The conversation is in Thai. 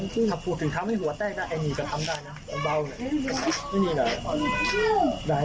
ซึ่งถ้าพูดถึงทำให้หัวแตกได้ไอ้นี่ก็ทำได้นะไอ้เบาเนี่ย